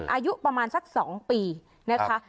อายุประมาณสัก๒ปีนะคะ